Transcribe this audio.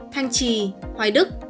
thanh trì hoài đức